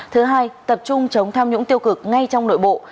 thứ hai tập trung chống tham nhũng tiêu cực ngay trong nội bộ